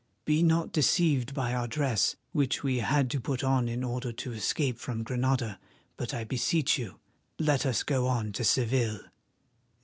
Be not deceived by our dress, which we had to put on in order to escape from Granada, but, I beseech you, let us go on to Seville."